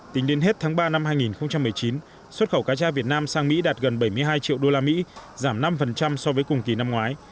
tính đến hết tháng ba năm hai nghìn một mươi chín xuất khẩu cá tra việt nam sang mỹ đạt gần bảy mươi hai triệu usd giảm năm so với cùng kỳ năm ngoái